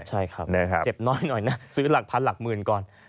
ใช่ครับเจ็บน้อยหน่อยนะซื้อหลักพันหลักหมื่นก่อน